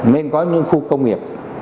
nên có những khu công nghiệp